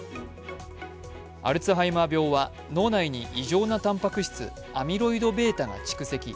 アルツハイマー病は脳内に異常なたんぱく質、アミロイドβが蓄積。